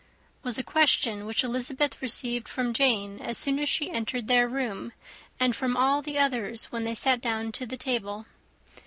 was a question which Elizabeth received from Jane as soon as she entered the room, and from all the others when they sat down to table.